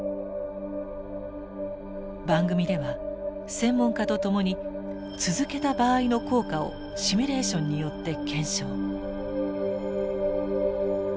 番組では専門家と共に続けた場合の効果をシミュレーションによって検証。